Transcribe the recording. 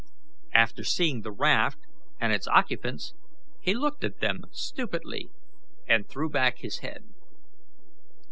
On seeing the raft and its occupants, he looked at them stupidly and threw back his head.